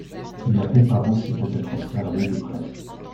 Il est peu farouche et peut être observé de près.